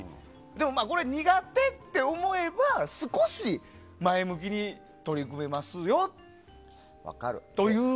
でも、苦手って思えば少し前向きに取り組めますよという。